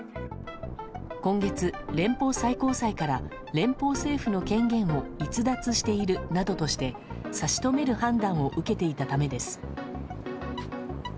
今月、連邦最高裁から連邦政府の権限を逸脱しているなどとして差し止める判断を受けていたためです。